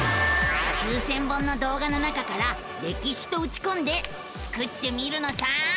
９，０００本の動画の中から「歴史」とうちこんでスクってみるのさ！